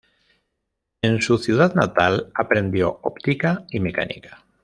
En su ciudad natal aprendió Óptica y Mecánica.